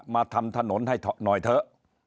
มาทำถนนให้หน่อยเถอะ